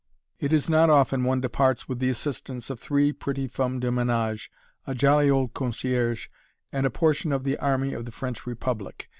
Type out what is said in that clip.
It is not often one departs with the assistance of three pretty femmes de ménage, a jolly old concierge, and a portion of the army of the French Republic.